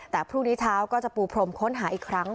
แต่พรุ่งนี้เช้าก็จะปูพรมค้นหาอีกครั้ง